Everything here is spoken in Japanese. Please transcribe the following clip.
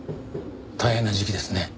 大変な時期ですね。